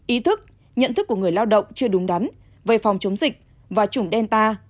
ý thức nhận thức của người lao động chưa đúng đắn về phòng chống dịch và chủng delta